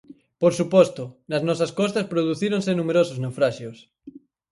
Por suposto, nas nosas costas producíronse numerosos naufraxios.